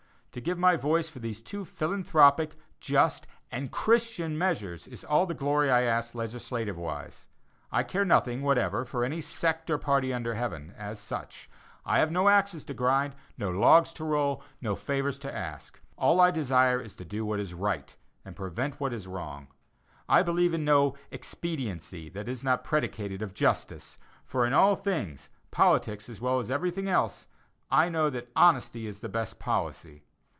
To give my voice for these two philanthropic, just, and Christian measures is all the glory I ask legislativewise. I care nothing whatever for any sect or party under heaven, as such. I have no axes to grind, no logs to roll, no favors to ask. All I desire is to do what is right, and prevent what is wrong. I believe in no "expediency" that is not predicated of justice, for in all things politics, as well as everything else "I know that honesty is the best policy."